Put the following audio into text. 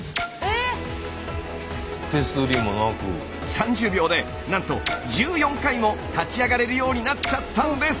３０秒でなんと１４回も立ち上がれるようになっちゃったんです！